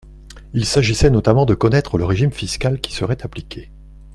Il s’agissait notamment de connaître le régime fiscal qui serait appliqué.